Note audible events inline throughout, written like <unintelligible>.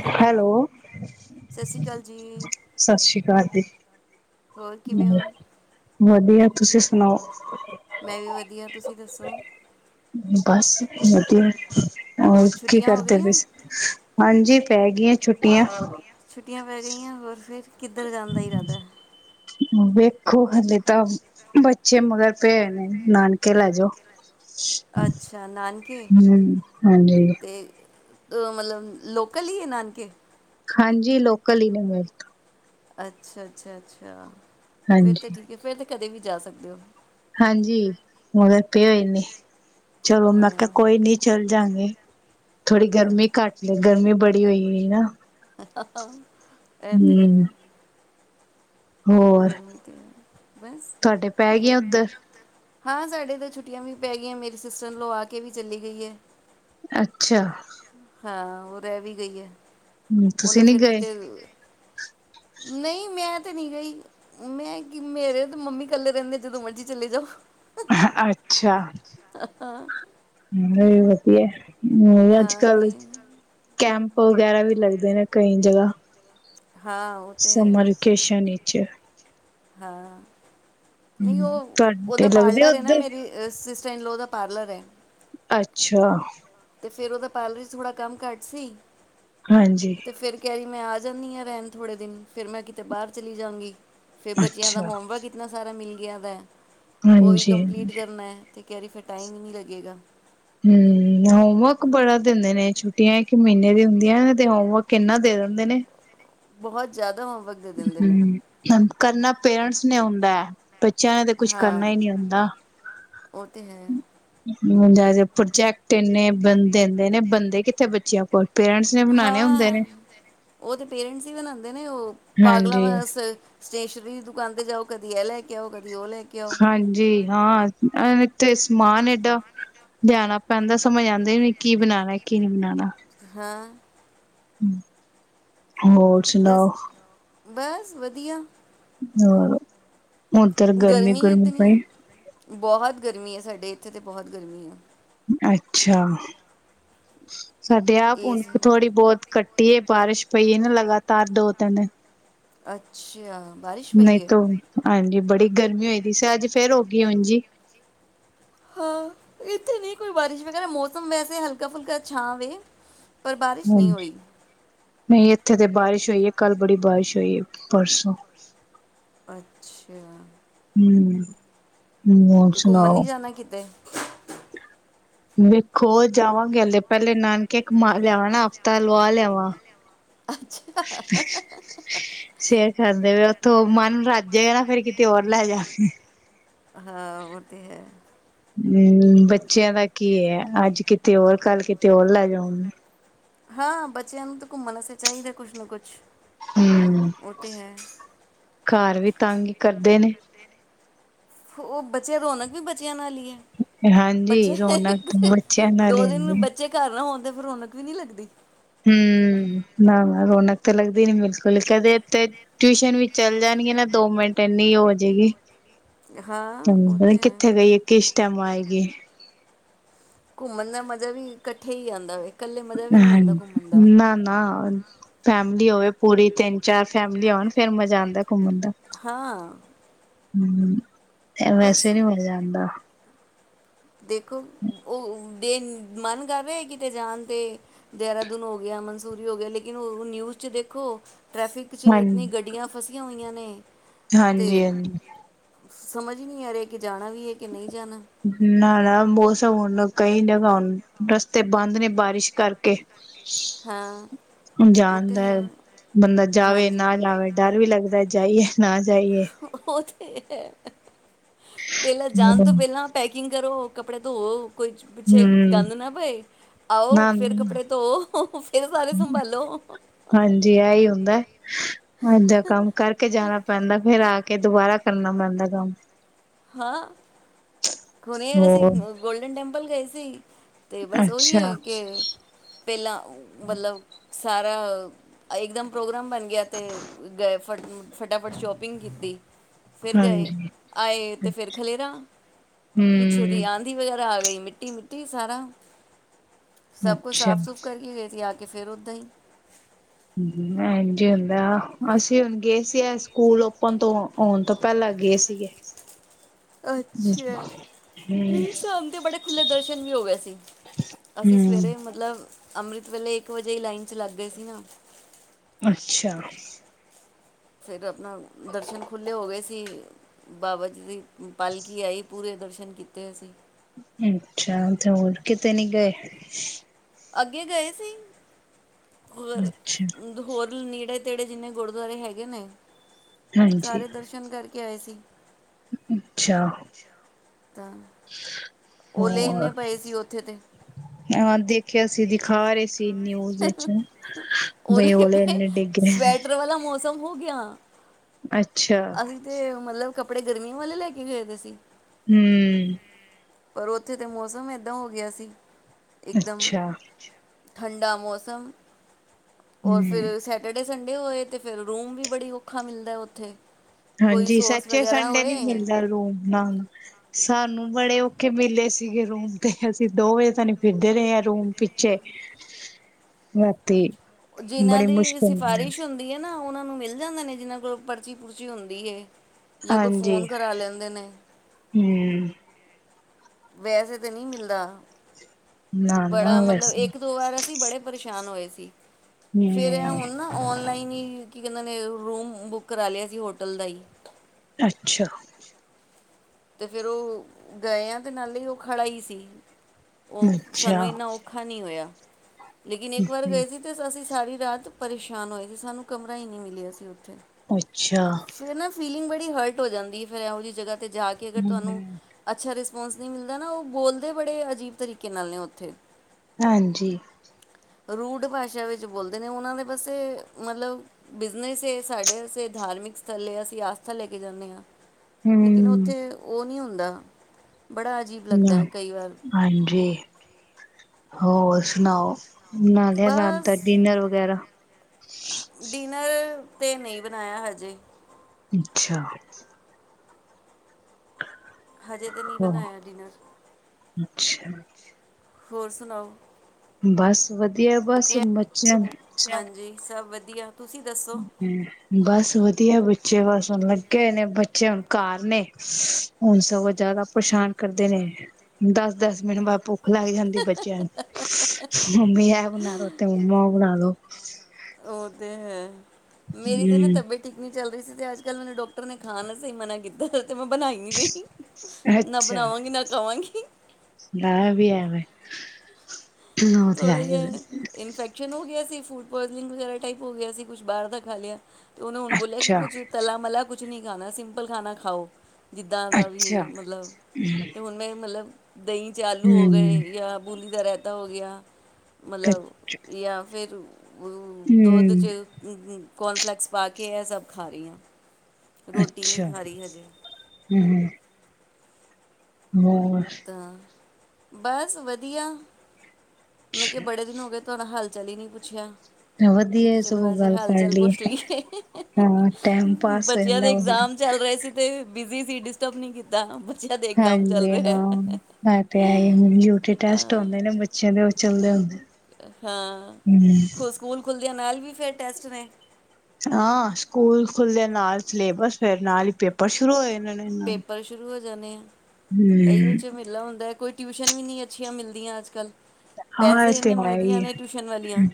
Hello ਸਤਿ ਸ੍ਰੀ ਅਕਾਲ ਜੀ ਹੋਰ ਕਿਵੇਂ ਹੋ ਹਮ ਵਧੀਆ ਤੁਸੀਂ ਸੁਣਾਓ ਮੈਂ ਵੀ ਵਧੀਆ ਤੁਸੀਂ ਦੱਸੋ ਬਸ ਮਧ ਹੋਰ ਕੀ ਛੁੱਟੀਆਂ ਹੋ ਕਰਦੇ ਗਈਆਂ ਫ ਹਾਂਜੀ ਪੈ ਗਈਆਂ ਛੁੱਟੀਆਂ ਛੁੱਟੀਆਂ ਪੈ ਗਈਆਂ ਹੋਰ ਫੇਿਰ ਕਿੱਧਰ ਜਾਂਦਾ ਰਦਾ ਵੇਖੋ ਹਲੇ ਤਾਂ ਬੱਚੇ ਮਗਰ ਪੇ ਨੇ ਨਾਨਕੇ ਲ ਜੋ ਅੱਛਾ ਨਾਨਕੇ ਹਾਂਜੀ, ਤੇ ਅ ਮਤਲਬ ਲੋਕਲ ਹੀ ਹੈ ਨਾਨਕੇ ਹਾਂਜੀ ਲੋਕਲ ਹੀ ਨੇ ਮੇਿਲ ਅੱਛਾ ਅੱਛਾ ਅੱਛਾ ਫੇਰ ਤੇ ਹਾਂਜੀ। ਠੀਕ ਹੈ ਫੇਰ ਕਦੇ ਵੀ ਜਾ ਸਕਦੇ ਹੋ। ਹਾਂਜੀ ਹੁਣ ਪਏ ਹੋਏ ਨੇ। ਚਲੋ ਮੈਂ ਕਿਹਾ ਹਾਂ ਕੋਈ ਨੀ ਚੱਲ ਜਾਂਗੇ। ਥੋੜੀ ਅ ਗਰਮੀ ਕਟ ਲੇ ਗਰਮੀ ਬੜੀ। <unintelligible> ਹੂੰ, <unintelligible> <inaudible> ਹੋਰ, ਤੁਹਾਡੇ ਪੈ ਗਈਆਂ ਉੱਧਰ? ਹਾਂ ਸਾਡੇ ਤਾਂ ਛੁੱਟੀਆਂ ਵੀ ਪੈ ਗਈਆਂ ਮੇਰੀ ਸਿਸਟਰ ਇਨ ਲਾਅ ਆ ਕੇ ਵੀ ਚੱਲੀ ਗਈ ਹੈ। ਅੱਛਾ। ਹਾਂ ਉਹ ਰਹਿ ਵੀ ਗਈ ਹੈ। ਹਮ ਤੁਸੀਂ ਉਹਨੇ ਨੀ ਫਿਰ ਗਏ। ਕਿਤੇ ਨਹੀਂ ਮੈਂ ਤੇ ਨਹੀਂ ਗਈ। ਮੈਂ ਕਿ ਮੇਰੇ ਤੇ ਮੰਮੀ ਕੱਲੇ ਰਹਿੰਦੇ ਜਦੋਂ ਮਰਜ਼ੀ ਚਲੇ ਜਾਓ। ਅੱਛਾ। ਆਹ ਹਾਂ। <unintelligible> ਹਮ ਅੱਜ ਹਾਂ ਕੱਲ ਨਹੀਂ ਕੈਂਪ। ਵਗੈਰਾ ਵੀ ਲੱਗਦੇ ਨੇ ਕਈ ਜਗ੍ਹਾ। ਹਾਂ ਉਹ ਤੇ ਹੈ ਸਮਰ ਵਕੇਸ਼ਨ ਵਿੱਚ। ਹਾਂ। ਨਹੀਂ ਹੂੰ, ਉਹ ਉਹਦਾ ਤੁਹਾਡੇ ਲੱਗਦੇ ਪਾਰਲਰ ਹੈ ਨਾ ਉੱਧਰ? ਮੇਰੀ ਸਿਸ ਸਿਸਟਰ ਇਨ ਲਾਅ ਦਾ ਪਾਰਲਰ ਹੈ। ਅੱਛਾ। ਅਤੇ ਫਿਰ ਉਹਦਾ ਪਾਰਲਰ ਵਿਚ ਥੋੜ੍ਹਾ ਕੰਮ ਘੱਟ ਸੀ। ਹਾਂਜੀ। ਤੇ ਫਿਰ ਕਹਿ ਰਹੀ ਮੈਂ ਆ ਜਾਂਦੀ ਹਾਂ। ਰਹਿਣ ਥੋੜ੍ਹੇ ਦਿਨ, ਫੇਰ ਮੈਂ ਕਿਤੇ ਬਾਹਰ ਚਲੀ ਜਾਵਾਂਗੀ। ਫੇਰ ਬੱਚਿਆਂ ਦਾ ਅੱਛਾ। ਹੋਮਵਰਕ, ਇੰਨਾ ਸਾਰਾ ਮਿਲ ਗਿਆ ਵੇ। ਉਹ ਵੀ ਹਾਂਜੀ, ਕੰਪਲੀਟ ਹੂੰ, ਕਰਨਾ ਹੈ। ਕਚਹਿਰੀ, ਫਿਰ ਟਾਈਮ ਹੀ ਨਹੀਂ ਲੱਗੇਗਾ। ਹਮ, ਹੋਮਵਰਕ ਬੜਾ ਦਿੰਦੇ ਨੇ, ਛੁੱਟੀਆਂ ਇੱਕ ਮਹੀਨੇ ਦੀ ਹੁੰਦੀਆਂ ਤੇ ਹੋਮਵਰਕ ਕਿੰਨਾ ਦੇ ਦਿੰਦੇ ਨੇ। ਬਹੁਤ ਜਿਆਦਾ ਹੋ ਹਮ, ਕਰਨਾ ਪੇਰੈਂਟਸ ਨੇ ਹੁੰਦਾ ਹੈ। ਬੱਚਿਆਂ ਨੇ ਤਾਂ ਕੁਛ ਕਰਨਾ ਹਾਂ ਹੀ ਨੀ ਹੁੰਦਾ। ਹਾਂ, ਉਹ ਤੇ ਹੈ ਪ੍ਰੋਜੈਕਟ ਇੰਨੇ ਬਣਾਉਣ ਨੂੰ ਦਿੰਦੇ ਨੇ, ਬਨਦੇ ਕਿੱਥੇ ਬੱਚਿਆਂ ਕੋਲ। ਪੇਰੈਂਟਸ ਨੇ ਬਣਾਣੇ ਹੁੰਦੇ ਹਾਂ, ਨੇ। ਉਹ ਤੇ ਪੇਰੈਂਟਸ ਹੀ ਬਨਾੰਦੇ ਨੇ ਉਹ। ਪਾਗਲਾ ਹਾਂਜੀ, ਵਾਂਗੂੰ ਸਟੇਸ਼ਨਰੀ ਦੀ ਦੁਕਾਨ ਤੇ ਜਾਓ। ਕਦੀ ਇਹ ਲੈ ਕੇ ਆਓ ਕਦੇ- ਹਾਂਜੀ, ਹਾਂ। ਤੇ ਸਮਾਨ ਏਡਾ ਲਿਆਣਾ ਪੈਂਦਾ, ਸਮਝ ਆਉਂਦੀ ਨੀ, ਕੀ ਬਣਾਉਣਾ, ਕੀ ਨਹੀਂ ਬਣਾਉਣਾ। ਹਾਂ। ਹੂ। ਹੋਰ ਬਸ ਸੁਣਾਓ। ਬਸ ਵਧੀਆ। ਹੂ। ਉਧਰ ਗਰਮੀ ਗਰਮੀ-ਗਰਮੀ ਇਤਨੀ ਪਏ। ਆ ਬਹੁਤ ਗਰਮੀ ਹੈ। ਸਾਡੇ ਇੱਥੇ ਤਾਂ ਬਹੁਤ ਗਰਮੀ ਆ। ਅੱਛਾ। <inaudible> ਸਾਡੇ ਆਪ ਹੁਣ ਏਜ਼ ਕੁ ਥੋੜ੍ਹੀ ਬਹੁਤ ਘੱਟ ਇਹ ਬਾਰਿਸ਼ ਪਈ ਨਾ ਲਗਾਤਾਰ ਦੋ, ਤਿੰਨ। ਅੱਛਾ। ਬਾਰਿਸ਼ ਨਹੀਂ ਪਈ ਹੈ ਤ ਆ ਜੀ ਬੜੀ। ਗਰਮੀ ਹੋਈ ਦੀ, ਅੱਜ ਫੇਰ ਹੋ ਗਈ ਉੰਜੀ। ਹਾਂ, ਇੱਥੇ ਨਹੀਂ ਕੋਈ ਬਾਰਿਸ਼ ਵਗੈਰਾ ਮੌਸਮ ਵੈਸੇ ਹਲਕਾ ਫੁਲਕਾ ਛਾਂ ਵੇ। ਪਰ ਬਾਰਿਸ਼ ਨਹੀਂ ਹਾਂਜੀ, ਹੋਈ ਨਹੀਂ ਇੱਥੇ ਤੇ ਬਾਰਿਸ਼ ਹੋਈ ਹੈ। ਕੱਲ ਬੜੀ ਬਾਰਿਸ਼ ਹੋਈ ਹੈ, ਪਰਸੋਂ- ਅੱਛਾ। ਹੂ। ਤੇ ਘੁੰਮਣ ਨੀ ਜਾਣਾ ਕਿਤੇ? ਵੇਖੋ, ਜਾਵਾਂਗੇ ਹਲੇ। ਪਹਿਲੇ ਨਾਨਕੇ ਘੁਮਾ ਲਿਆਵਾਂ ਨਾ, ਹਫ਼ਤਾ ਲਵਾ ਲਿਆਵਾਂ। ਅੱਛਾ। ਕਹਿੰਦੇ ਉੱਥੋਂ ਮਨ ਰੱਜੇਗਾ ਨਾ, ਫੇਰ ਕਿਤੇ ਹੋਰ ਲੈ ਜਾਵਾਗੇ। ਹਾਂ, ਉਹ ਤੇ ਹੈ। ਹੂ, ਬੱਚੇ। ਬੱਚਿਆਂ ਦਾ ਕੀ ਹੈ। ਅੱਜ ਕਿਤੇ ਹੋਰ ਕੱਲ੍ਹ ਕਿਤੇ ਹੋਰ ਲੈ ਜਾਉ। ਹਾਂ, ਬੱਚਿਆਂ ਨੂੰ ਤਾਂ ਘੁੰਮਣ ਵਾਸਤੇ ਚਾਹੀਦਾ, ਕੁਛ ਨਾ ਕੁਛ ਹੂ, ਉਹ ਤੇ ਹੈ ਘਰ ਵੀ- -ਤੰਗ ਹੀ ਕਰਦੇ ਨੇ। ਉਹ ਬੱਚੇ, ਰੌਣਕ ਵੀ ਬੱਚਿਆਂ ਨਾਲ ਹੀ ਏ। ਹਾਂਜੀ, ਬੱਚੇ, ਰੌਣਕ ਇੱਕ, ਤਾਂ ਬੱਚਿਆਂ ਨਾਲ ਦੋ ਈ ਦਿਨ ਹੁੰਦੀ ਐ। ਬੱਚੇ ਘਰ ਨਾ ਹੋਣ ਤੇ - ਰੌਣਕ ਵੀ ਨੀ ਲੱਗਦੀ ਹਮ ਨਾ ਨਾ ਰੌਣਕ ਤੇ ਲੱਗਦੀ ਨੀ ਬਿਲਕੁਲ ਕਦੇ ਤੇ ਟਿਊਸ਼ਨ ਵੀ ਚੱਲ ਜਾਣਗੇ ਨਾ ਦੋ ਮਿੰਟ ਇੰਨੀ ਹੋ ਜਾਏਗੀ ਹਾਂ ਉਹ ਹ ਤੇ ਹੈ। ਕਿੱਥੇ ਗਈਏ ਕਿਸ ਟਾਈਮ ਆਏਗੀ ਘੁੰਮਣ ਦਾ ਮਜ਼ਾ ਵੀ ਇਕੱਠੇ ਹੀ ਆਉਂਦਾ ਵ ਨਾ ਨਾ ਹੋਵੇ ਪੂਰੀ ਤਿੰਨ ਚਾਰ ਫੈਮਲੀ ਆ ਹੋਣ ਫੇਰ ਮਜ਼ਾ ਆਉਂਦਾ ਘੁੰਮਣ ਦਾ ਹਾਂ ਹਮ ਬਸ ਵੈਸੇ ਨਹੀਂ ਮਜ਼ਾ ਆਉਂਦਾ ਦੇਖੋ ਉਹ ਦੇ ਮਨ ਕਰ ਰਿਹਾ ਕਿਤੇ ਜਾਣ ਤੇ ਦੇਹਰਾਦੂਨ ਹੋ ਗਿਆ ਮਨਸੂਰੀ ਹੋ ਗਿਆ ਲੇਕਿਨ ਉਹ ਨਿਊਜ਼ ਚ ਦੇਖੋ ਟ੍ਰੈਫਿਕ ' ਹਾਂ ਇਨੀ ਗੱਡੀਆਂ ਫਸੀਆਂ ਹੋਈਆਂ ਨੇ ਹਾਂਜੀ ਤੇ ਹਾਂਜੀ ਸਮਝ ਨਹੀਂ ਆ ਰਿਹਾ ਕਿ ਜਾਣਾ ਵੀ ਇਹ ਕਿ ਨਹੀਂ ਜਾਣਾ ਨਾ ਮੌਸਮ ਹੁਣ ਕਈ ਜਗ੍ਹਾ ਰਸਤੇ ਬੰਦ ਨੇ ਬਾਰਿਸ਼ ਕਰਕੇ ਹਾਂ ਉਹ ਜਾਣਦਾ ਤੇ ਹੈ ਬੰਦਾ ਜਾਵੇ ਹਾਂਜੀ। ਨਾ ਜਾਵੇ ਡਰ ਵੀ ਲੱਗਦਾ ਜਾਹੀਏ ਨਾ ਜਾਈਏ ਹੋ ਹੇ ਪਹਿਲਾਂ ਜਾਣ ਤੋਂ ਹੂੰ ਪਹਿਲਾਂ ਪੈ ਕਿਗ ਕਰੋ ਕਪੜੇ ਧੋ ਹਮ ਆਓ ਨਾ ਫਿਰ ਨਾ ਕੱਪੜੇ ਧੋਵੋ ਫਿਰ ਸਾਰੇ ਸੰਭਾਲੋ। ਹਾਂਜੀ ਆਹੀ ਹੁੰਦਾ ਇਦਾ ਕੰਮ ਕਰਕੇ ਜਾਣਾ ਪੈਂਦਾ ਫੇਰ ਆ ਕੇ ਦੁਬਾਰਾ ਕਰਨਾ ਪੈਂਦਾ ਕੰਮ ਹਾਂ ਹੁਣੇ ਅਸੀਂ ਹੋਰ ਗੋਲਡਨ ਟੈਂਪਲ ਗਏ ਸੀ ੇਸੀ ਤੇ ਬਸ ਉਹੀ ਅੱਛਾ ਹੈ ਕਿ ਪਹਿਲਾਂ ਮਤਲਬ ਸਾਰਾ ਇੱਕਦਮ ਪ੍ਰੋਗਰਾਮ ਬਣ ਗਿਆ ਤੇ ਗਏ ਫਟ ਫਟਾਫਟ ਸ਼ੋਪਿੰਗ ਕੀਤੀ ਫਿਰਗੇ ਹਾਂਜੀ, ਆਏ ਫਿਰ ਖਲੇਰਾ ਪਿੱਛੋਂ ਹੂੰ ਦੀ ਆਂ ਦੀ ਵਜਾ ਘ ਆ ਗਈ ਮਿੱਟੀ ਮਿੱਟੀ ਸਾਰਾ ਸਭ ਕੁਝ ਅੱਛਾ। ਸਾਫ਼ ਸੁੂਫ਼ ਕਰਕੇ ਗ ਆ ਕਿ ਫਿਰ ਉਹੱਦਾਂ ਹੀ ਹਮ ਐਝ ਹੀ ਹੁੰਦਾ ਹੁਣ ਗਏ ਸੀ ਇਹ ਸਕੂਲ ਣ ਤੋਂ ਆਉਣ ਤੋਂ ਪਹਿਲਾਂ ਗਏ ਸੀਗੇ ਅੱਛਾ ਹੂੰ, ਨਹੀਂ ਸ਼ਾਮ ਦੇ ਬੜੇ ਖੁੱਲੇ ਦਰਸ਼ਨ ਵੀ ਹੋ ਗਏ ਸੀ ਅਸੀਂ ਹੂੰ ਸਵੇਰੇ ਮਤਲਬ ਅੰਮ੍ਰਿਤ ਵੇਲੇ ਇੱਕ ਵਜੇ ਹੀ ਲਾਈਨ ਚ ਲੱਗ ਗਏ ਸੀ ਨਾ ਅੱਛਾ ਫਿਰ ਆਪਣਾ ਦਰਸ਼ਨ ਖੁੱਲ੍ਹੇ ਹੋ ਗਏ ਸੀ ਬਾਬਾ ਜੀ ਦੀ ਪਾਲਕੀ ਆਈ ਪੂਰੇ ਦਰਸ਼ਨ ਕੀਤੇ ਅਸੀਂ ਅੱਛਾ ਤੇ ਹੋਰ ਕਿਤੇ ਨੀ ਗਏ ਅੱਗੇ ਗਏ ਸੀ ਹੋਰ ਅੱਛਾ ਹੋਰ ਨੇੜੇ ਤੇੜੇ ਜਿੰਨੇ ਗੁਰਦੁਆਰੇ ਹੈਗੇ ਨੇ ਹਾਂਜੀ ਸਾਰੇ ਦਰਸ਼ਨ ਕਰਕੇ ਕੇ ਹੋਏ ਸੀ ਅੱਛਾ ਤਾਂ ਓਲੇ ਇੰਨੇ ਪਏ ਸੀ ਉੱਥੇ ਤੇ ਹਮ ਦੇ ਦੇਖਿਆ ਅਸੀਂ ਦਿਖਾ ਰਹੇ ਸੀ ਨਿਊਜ਼ ਦੇ ਬਈ ਲੇ ਇੰਨੇ ਡਿੱਗ ਰਹੇ ਨੇ ਅੱਗਾਂ ਅੱਛਾ। ਅਸੀਂ ਤੇ ਮਤਲਬ ਕੱਪੜੇ ਗਰਮੀਆਂ ਵਾਲੇ ਲੈ ਕੇ ਗਏ ਤੇ ਸੀ ਹਮ ਪਰ ਉੱਥੇ ਤੇ ਮੌਸਮ ਏਦਾਂ ਹੋ ਗਿਆ ਸੀ ਇੱਕਦਮ ਅੱਛਾ ਠੰਡਾ ਮੌਸਮ ਰ ਹੂੰ ਫਿਰ ਸੈਟਰਡੇ ਸੰਡੇ ਹੋਏ ਤੇ ਫਿਰ ਰੂਮ ਵੀ ਬੜੀ ਔਖਾ ਮਿਲਦਾ ਹੈ ਉੱਥੇ ਕੋਈ ਹਾਂਜੀ ਸੋਰਸ ਸੱਚੇ ਵਗੈਰਾ ਸੰਡੇ ਨੀ ਹੋਏ ਮਿਲਦਾ ਰੂਮ ਨਾਲਗ ਸਾਨੂੰ ਬੜੇ ਕੇ ਮਿਲੇ ਸੀਗੇ ਰੂਮ ਤੇ ਅਸੀਂ ਦੋ ਵਜੇ ਤ ਨ ਫਿਰਦੇ ਰਹੇ ਹਾਂ ਰੂਮ ਪਿੱਛੇ ਰਾਤੀ ਜਿਨਾਂ ਬੜੀ ਦੀ ਮੁਸ਼ਕਿਲ ਮਿਲੇ ਸਿਫਾਰਿਸ਼ ਨੇ ਹੁੰਦੀ ਹੈ ਨਾ ਉਹਨਾਂ ਨੂੰ ਮਿਲ ਜਾਂਦੇ ਨੇ ਜਿਹਨਾਂ ਕੋਲ ਪਰਚੀ ਪੁਰਚੀ ਹੁੰਦੀ ਹੈ ਜਾਂ ਕੋਈ ਹਾਂਜੀ ਫੋਨ ਕਰਾ ਲੈਂਦੇ ਨੇ ਹਮ ਵੈਸੇ ਤਾਂ ਨਹੀਂ ਮਿਲਦਾ ਨਾ ਨਾ ਬੜਾ ਮਤਲਬ ਵੈਸੇ ਇੱਕ ਦੋ ਵਾਰ ਅਸੀਂ ਬੜੇ ਪਰੇਸ਼ਾਨ ਹੋਏ ਸੀ ੀ ਫੇਰ ਹਮ ਹੁਣ ਨਾ ਔਨਲਾਈਨ ਕੀ ਕਹਿੰਦੇ ਨੇ ਰੂਮ ਬੁੱਕ ਕਰਾ ਲਿਆ ਸੀ ਹੋਟਲ ਦਾ ਹੀ ਅੱਛਾ ਤੇ ਫੇਿਰ ਉਹ ਗਏ ਆ ਤੇ ਨਾਲੇ ਹੀ ਉਹ ਖੜਾ ਹੀ ਸੀ ਉਹ ਸਾਨੂੰ ਅੱਛਾ ਇੰਨਾ ਔਖਾ ਨਹੀਂ ਹੋਇਆ ਲੇਕਿਨ ਇੱਕ ਵਾਰ ਹੂੰ ਗਏ ਸੀ ਤੇ ਅਸੀਂ ਸਾਰੀ ਰਾਤ ਪਰੇਸ਼ਾਨ ਹੋਏ ਸੀ ਸਾਨੂੰ ਕਮਰਾ ਹੀ ਨਹੀਂੀ ਮਿਲਿਆ ਸੀ ਉੱਥੇ ਅੱਛਾ ਫਿਰ ਨਾ ਫੀਲਿੰਗ ਬੜੀ ਹਰਟ ਹੋ ਜਾਂਦੀ ਫਿਰ ਇਹੋ ਜਿ ਜਗ੍ਹਾ ਤੇ ਜਾ ਅਗਰ ਤੁਹਾਨੂੰ ਹਮ ਅੱਛਾ ਰਿਸ ਨਹੀਂ ਮਿਲਦਾ ਨਾ ਉਹ ਬੋਲਦੇ ਬੜੇ ਅਜੀਬ ਤਰੀਕੇ ਨਾਲ ਨੇ ਉੱਥੇ ਹਾਂਜੀ ਰੂੜ ਭਾਸ਼ਾ ਵਿੱਚ ਬੋਲਦੇ ਨੇ ਉਹਨਾਂ ਦੇ ਵਸੇ ਮਤਲਬ ਬਿਜ਼ਨਸ ਹੈ ਸਾਡੇ ਵਸੇ ਧਾਰਮਿਕ ਸਥਲ ਹੈ ਅਸੀਂ ਆਸਥਾ ਲੈ ਕੇ ਜਾਂਦੇ ਹਾਂ ਲੇਕਿਨ ਉੱਥੇ ਹਮ ਉਹ ਨਹੀਂ ਹੁੰਦਾ ਬੜਾ ਅਜੀਬ ਲੱਗਦਾ ਹਮ ਹੈ ਕਈ ਵਾਰ ਹਾਂਜੀ ਹੋਰ ਉਖਣਾਓ ਨਾਲ ਬਸ ਦਾਦਾ ਡਿਨਰ ਵਗੈਰਾ ਡਿਨਰ ਤੇ ਨਹੀਂ ਬਣਾਇਆ ਹਜੇ ਅੱਛਾ ਹਜੇ ਤਾਂ ਨਹੀਂ ਹਾਂ ਬਣਾਇਆ ਜਿਨਾਂ ਅੱਛਾ ਹੋਰ ਸੁਣਾਓ ਬਸ ਵਧੀਆ ਬਸ ਵਧੀਆ ਮੱਚਣ ਹਾਂਜੀ ਸਭ ਵਧੀਆ ਤੁਸੀਂ ਦੱਸੋ ਹਮ ਬਸ ਵਧੀਆ ਬੱਚੇ ਬਸ ਨੇ ਬੱਚੇ ਹੁਣ ਘਾਰ ਨੇ, ਹੁਣ ਸਗੋਂ ਜ਼ਿਆਦਾ ਪਰਛਾਣ ਕਰਦੇ ਨੇ, ਦਸ -ਦਸ ਮਿੰਨਟ ਬਾਪੁ ਲੱਗ ਜਾਂਦੀ ਬੱਚਿਆਂ ਨੂੰ, ਮੰਮੀ ਇਹ ਬਣਾ ਲੋ ਤੇ ਮੰਮਾ ਬਣਾ ਲੋ ਉਹ ਤੇ ਹੈ ਮੇਰੀ ਤੇ ਨਾ, ਤਬੀਅਤ ਠੀਕ ਨੀ ਚੱਲ ਰਹੀ ਸੀ ਤੇ ਅੱਜ -ਕੱਲ੍ਹ ਮੈਨੂੰ ਡਾਕਟਰ ਨੇ, ਖਾਨ ਆਸਤੇ ਮਨਾ ਕੀਤਾ। ਤੇ ਮੈਂ ਬਨਾਈ ਨਹੀਂ, ਰਹੀ ਨਾ ਬਣਾਵਾਂਗੀ ਨਾ ਖਾਵਾਂਗੀ ਹ ਵੀ ਹੈਵੇਂ <inaudible> ਥੋੜਾ ਜਿ, ਇਨਫੈਕਸ਼ਨ ਹੋ ਗਿਆ ਸੀ ਫੂਡ ਪੁਆਜਨਿੰਗ ਵਗੈਰਾ, ਟਾਈਪ ਹੋ ਗਿਆ ਸੀ ਕੁਛ ਬਾਹਰ ਦਾ ਖਾ ਲਿਆ ਤੇ ਉਹਨੇ ਹੁਣ ਬੋਲਿਆ ਕਿ, ਅੱਛਾ ਕੁੱਝ ਤਲਾ ਮਲਾ ਕੁਝ ਕੁਛ ਨਹੀਂ ਖਾਣਾ, ਸਿੰਪਲ ਖਾਣਾ ਖਾਓ। ਜਿੱਦਾਂ ਦਾ ਵੀ, ਅੱਛਾ ਮਤਲਬ ਅਤੇ ਹੁਣ ਮੈਂ ਮਤਲਬ ਦਹੀਂ ਚ ਆਲੂ ਹੋ ਹਮ ਗਏ, ਜਾਂ ਬੂੰਦੀ ਦਾ ਰਹਿਤਾ ਹੋ ਗਿਆ ਗਿਆ -ਗਿਆ ਮਤਲਬ ਯਾ ਫਿਰ ਦੋਧ 'ਚ ਹਮ ਕੋਨਫਲੈਕਸ ਪਾ ਕੇ, ਇਹ ਸਭ ਖਾ ਰਹੀ ਹਾਂ। ਰੋਟੀ ਨਹੀਂ ਅੱਛਾ, ਖਾ ਰਹੀ ਹਜੇ ਹਮ। ਹੋਰ? ਤਾਂ ਬਸ ਵਧੀਆ। ਮੈਂ ਕਿਹਾ, ਬੜੇ ਦਿਨ ਹੋ ਗਏ ਤੁਹਾਡਾ ਹਲ ਚਲੀ ਨਹੀਂ ਪੁੱਛਿਆ ਮੈਂ ਵਧੀਆ ਕਿਹਾ ਚਲੋ, ਸਗੋਂ ਐਸੇ ਗੱਲ ਹਾਲ ਕਰ ਚਾਲ ਲਈਏ ਪੁੱਛ ਲਈ, ਏ ਹਾਂ ਟਾਈਮ ਪਾਸ ਹੋ ਬੱਚਿਆਂ ਦੇ ਜਾਂਦਾ ਬੰਦਾ ਇਗਜ਼ਾਮ ਚੱਲ ਰਹੇ ਸੀ ਤੇ ਬਿਜੀ ਸੀ, ਡਿਸਟਰਬ ਨੀ ਕੀਤਾ? ਦ ਦੇਖਦਮ ਚੱਲ ਰਿਹਾ ਹੈ। ਪ ਯੂਟੀ ਟੈਸਟ ਹਉਦੇ ਅ ਨੇ, ਬੱਚਿਆਂ ਦੇ ਚਲਦੇ ਹੁੰਦੇ ਹਾਂ। ਹਮ ਖੁ ਸਕੂਲ ਖੁੱਲਦਿਆਂ ਨਾਲ ਵੀ ਫਿਰ ਟੈਸਟ ਨੇ ਹਾਂ ਸਕੂਲ ਖੁੱਲੇ, ਨਾਲ ਸਿਲੇਬਸ, ਫਿਰ ਨਾਲ ਹੀ ਪੇਪਰ ਸ਼ੁਰੂ ਹੋਏ। ਇਹਨਾਂ ਨੇ ਨਾਲ ਪੇਪਰ ਸ਼ੁਰੂ ਹੋ ਜਾ ਨੇ <inaudible> ਇਹਹੀ ਹਮ ਜਿਹਾ ਮੇਲਾ ਹੁੰਦਾ ਕੋਈ ਟਿਊਸ਼ਨ ਵੀ ਨਹੀਂ, ਅੱਛੀਆਂ ਮਿਲਦੀਆਂ ਅੱਜ ਕੱਲ। ਹਾਂ ਤੇ ਆਈ ਵਾਲੀਆਂ।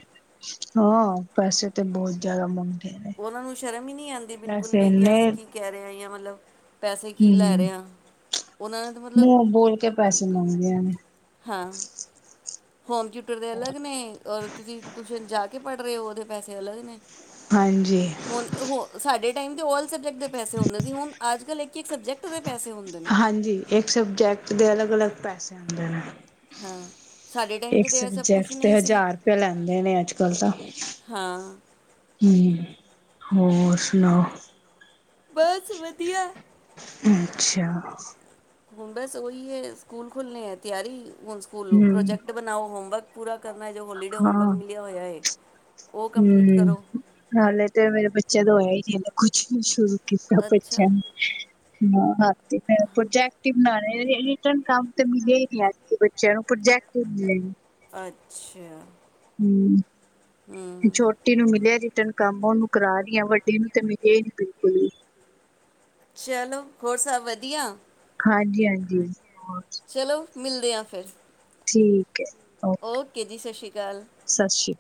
ਹਾਂ ਬਸ ਤੇ ਬਹੁਤ ਜ਼ਿਆਦਾ ਮਨ ਉਹਨਾਂ ਨੂੰ ਸ਼ਰਮ ਹੀ ਨਹੀਂੀ ਆਉਂਦੀ ਬਿਲਕੁਲ ਵੀ ਕਿਹਾਿਆ ਇੰਨੇ ਅਸੀਂ ਕੀ ਕਹਿ ਰਹੇ ਹ ਮਤਲਬ ਪੈਸੇ ਕੀ ਲੈ ਹਮ ਰਹੇਹਾ ਉਹਨਾਂ ਨੇ ਤਾਂ ਮਤਲਬ ਮੂੰਹ ਬੋਲ ਕੇ ਪੈਸੇ ਮੰਗਦੀਆਂ ਨੇ ਹਾਂ ਹੋਮ ਟਿਊਟਰ ਦੇ ਅਲੱਗ ਨੇ ਔਰ ਤੁਸੀਂ ਟਿਊਸ਼ਨ ਜਾ ਕੇ ਪੜ੍ਹੇ ਉਹਦੇ ਪੈਸੇ ਅਲਗ ਨੇ ਹਾਂਜੀ ਹੁਣ ਹੋ ਸਾਡੇ ਟਾਈਮ ਤੇ ਸਬਜੈਕਟ ਦੇ ਪੈਸੇ ਹੁੰਦੇ ਸੀ ਹੁਣ ਅੱਜ ਕੱਲ ਇੱਕ ਇੱਕ ਸਬਜੈਕਟ ਦੇ ਪੈਸੇ ਹੁੰਦੇ ਨੇ ਹਾਂਜੀ ਇੱਕ ਸਬਜੈਕਟ ਦੇ ਅਲੱਗ ਅਲੱਗ ਪੈਸੇ ਦੇਣਾ ਹਾਂ ਸਾਡੇ ਟਾਈਮ 'ਤੇ ਇੱਕ ਤਾਂ ਇਹ ਸਭ ਕੁਝ ਸਬਜੈਕਟ ਤੇ ਨਹੀਂ ਸੀ ਹਜ਼ਾਰ ਰੁਪਆ ਲੈਂਦੇ ਨੇ ਅੱਜ ਕਲ ਤਾਂ ਹਾਂ ਹਮ ਹੋਰ ਸੁਣਾਓ ਬਸ ਵਧੀਆ ਅੱਛਾ ਬਸ ਉਹੀ ਹੈ ਸਕੂਲ ਖੁੱਲ੍ਹਣੇੇ ਹੈ ਤਿਆਰੀ ਹੁਣ ਸਕੂਲ ਹੂੰ, ਪ੍ਰੋਜੈਕਟ ਬਣਾਓ ਹੋਮਵਰਕ ਪੂਰਾ ਕਰਨਾ ਜੋ ਹੋਲੀਡੇ ਹਣ ਵਰ ਮਿਲਿਆ ਹੋਇਆ ਹੈ ਉਹ ਕੰਪਲੀਟ ਹਮ ਕਰੋ ਹਾਲੇ ਤੇ ਮੇਰੇ ਬੱਚਿਆਂ ਦਾ ਹੋਇਆ ਹੀ ਨਹੀਂ ਹਦਾ ਕੁਛ ਸ਼ੁਰੂ ਕਿ ਕੀਤਾ ਅੱਛਾ ਬੱਚਾ ਹ ਹਾਂ ਪ੍ਰੋੈਕਟਵ ਰਿਟਨ ਕਾਮ ਤੇ ਮੀਲੇ ਹੀ ਨ ਆਜ ਕੇ ਬੱਚਿਆਂ ਨੂੰ ਜੈਕ ਲ ਅੱਛਾ ਹਮ ਹੂੰ ਛੋਟੀ ਨੂੰ ਮਿਲਿਆ ਰਿਟਰਨ ਕੰਮ ਉਹਨੂੰ ਕਰਾ ਰਹੀ ਆ ਵੱਡੀ ਨੂੰ ਤੇ ਮਿਲੇ ਹੀ ਨੀ ਬਿਲਕੁਲ ਹੀ ਚਲੋ ਹੋਰ ਸਭ ਵਧੀਆ ਹਾਂਜੀ ਹਾਂਜੀ ਚਲੋ ਮਿਲਦੇ ਹਾਂ ਫਿਰ ਠੀਕ ਹੈ ਓਕੇ ਜੀ ਸਤਿ ਸ੍ਰੀ ਅਕਾਲ ਸਤਿ ਸ਼੍ਰੀ